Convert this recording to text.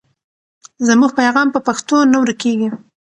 زموږ پیغام په پښتو نه ورکېږي.